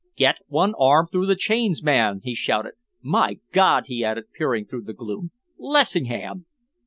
"Get one arm through the chains, man," he shouted. "My God!" he added, peering through the gloom. "Lessingham!"